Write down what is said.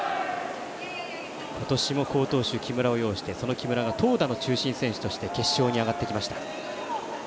今年も好投手、木村を擁してその木村が投打の中心選手として決勝に上がってきました。